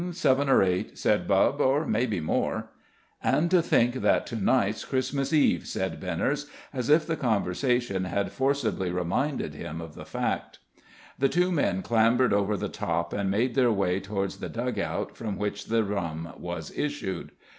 "Seven or eight," said Bubb, "or maybe more." "And to think that to night's Christmas Eve," said Benners, as if the conversation had forcibly reminded him of the fact. The two men clambered over the top and made their way towards the dug out from which the rum was issued.